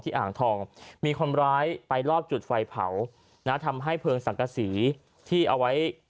อ่างทองมีคนร้ายไปลอบจุดไฟเผานะทำให้เพลิงสังกษีที่เอาไว้